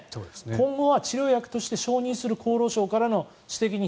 今後は治療薬として承認する厚労省からの指摘に